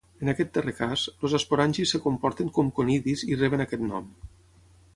En aquest darrer cas, els esporangis es comporten com conidis i reben aquest nom.